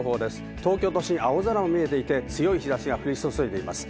東京都心は青空が見えていて、強い日差しが降り注いでいます。